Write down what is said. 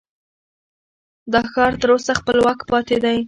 دا ښار تر اوسه خپلواک پاتې دی.